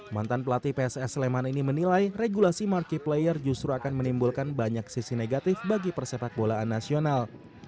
mantan pelatih pss sleman ini menilai regulasi marquee player justru akan menimbulkan banyak sisi negatif bagi persepak bolaan nasional